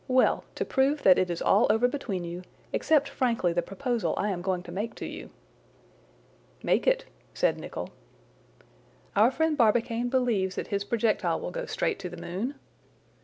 well! to prove that it is all over between you, accept frankly the proposal I am going to make to you." "Make it," said Nicholl. "Our friend Barbicane believes that his projectile will go straight to the moon?"